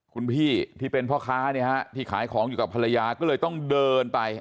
คุณพี่ที่เป็นพ่อค้าเนี่ยฮะที่ขายของอยู่กับภรรยาก็เลยต้องเดินไป